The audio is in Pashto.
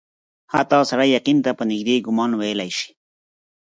حتی سړی یقین ته په نیژدې ګومان ویلای سي.